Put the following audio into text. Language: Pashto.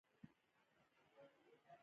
تاریخ د خپل ولس د مینې لامل دی.